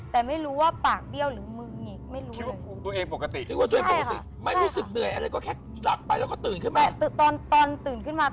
แต่ไม่รู้ว่าปากเบี้ยวหรือมือเหงียว